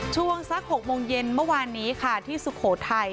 ช่วงสัก๖โมงเย็นเมื่อวานนี้ค่ะที่สุโขทัย